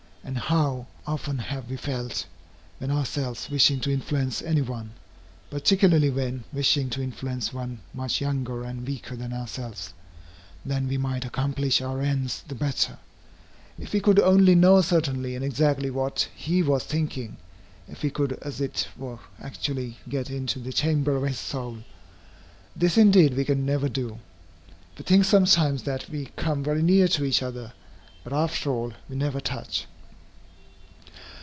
And how often have we felt, when ourselves wishing to influence any one, particularly when wishing to influence one much younger and weaker than ourselves, that we might accomplish our ends the better, if we could only know certainly and exactly what he was thinking, if we could as it were actually get into the chamber of his soul. This indeed we can never do. We think sometimes that we come very near to each other. But after all we never touch.